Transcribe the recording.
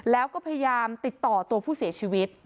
แล้วก็พยายามติดต่อตัวผู้เสียชีวิต